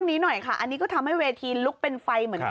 นี้หน่อยค่ะอันนี้ก็ทำให้เวทีลุกเป็นไฟเหมือนกัน